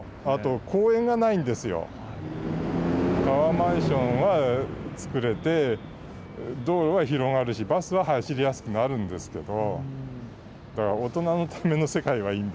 タワーマンションは作れて道路は広がるしバスは走りやすくなるんですけど。